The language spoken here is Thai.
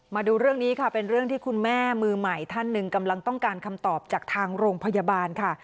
มาดูเรื่องนี้ค่ะเป็นเรื่องที่คุณแม่มือใหม่ท่านหนึ่งกำลังต้องการคำตอบจากทางโรงพยาบาลค่ะ